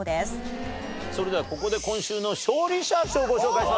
それではここで今週の勝利者賞ご紹介しましょう。